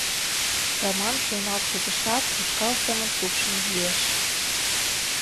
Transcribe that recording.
— Раман шуйналт возешат, ушкал семын шупшын йӱэш.